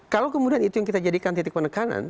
kalau kemudian itu yang kita jadikan titik penekanan